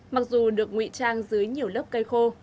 mặc dù được nguy trang dưới nhiều lớp cây khô